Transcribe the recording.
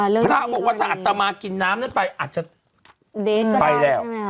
พระบอกว่าถ้าอัตมากินน้ำนั้นไปอาจจะไปแล้ว